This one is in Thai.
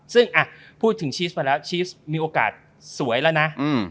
ซึ่งพูดถึงชีสมาแล้วชีสมีโอกาสสวยแล้วนะ